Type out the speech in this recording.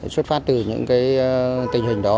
xuất phát từ những tình hình đó